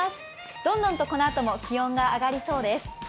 どんどんとこのあとも気温が上がりそうです。